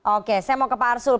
oke saya mau ke pak arsul